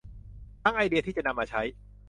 ทั้งไอเดียที่จะนำมาใช้